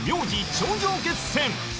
頂上決戦